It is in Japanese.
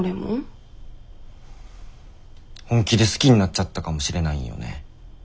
本気で好きになっちゃったかもしれないんよね